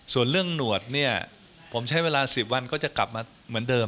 ส่วนเรื่องหนวดเนี่ยผมใช้เวลา๑๐วันก็จะกลับมาเหมือนเดิม